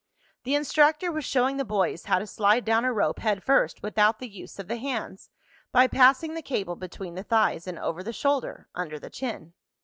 The instructor was showing the boys how to slide down a rope head first without the use of the hands, by passing the cable between the thighs and over the shoulder, under the chin.